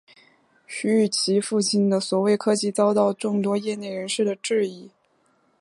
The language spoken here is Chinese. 徐与其父亲的所谓科技遭到众多业内人士的质疑。